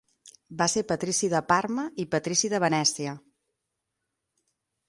Va ser patrici de Parma i Patrici de Venècia.